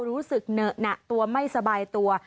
รู้สึกเหนอะหนักตัวไม่สบายตัว